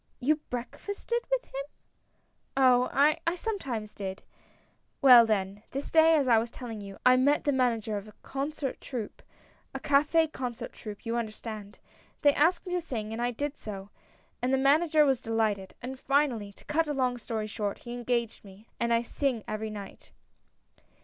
You breakfasted with him?" "Oh! sometimes I did. Well then, this day as I was telling you, I met the manager of a concert troupe 88 A NEW IDEA. — a cafe concert troupe, you understand. They asked me to sing, I did so, and the manager was delighted ; and finally, to cut a long story short, he engaged me — and I sing every night."